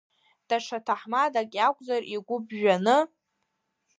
Даҽа ҭаҳмадак иакәзар, игәы ԥжәаны…